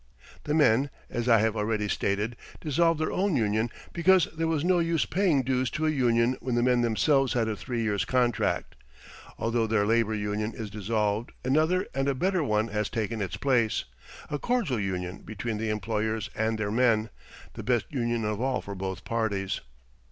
The men, as I have already stated, dissolved their old union because there was no use paying dues to a union when the men themselves had a three years' contract. Although their labor union is dissolved another and a better one has taken its place a cordial union between the employers and their men, the best union of all for both parties.